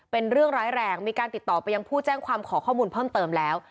เป็นเรื่องร้ายแรงมีการติดต่อไปยังผู้แจ้งความขอข้อมูลเพิ่มเติมแล้ว